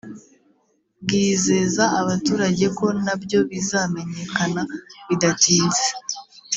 bwizeza abaturage ko nabyo bizamenyekana bidatinze